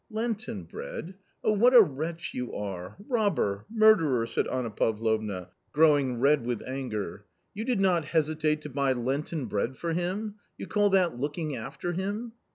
" Lenten bread ! Oh, what a wretch you are, robber, murderer !" said Anna Pavlovna, growing red with anger. 246 A COMMON STORY " You did not hesitate to buy Lenten bread for him ? You call that looking after him